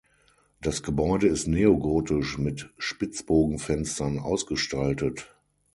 Das Gebäude ist neogotisch mit Spitzbogenfenstern ausgestaltet.